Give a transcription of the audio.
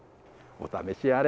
お試しあれ。